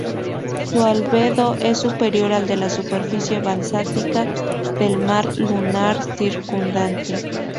Su albedo es superior al de la superficie basáltica del mar lunar circundante.